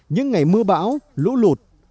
những ngày mưa bão lũ lụt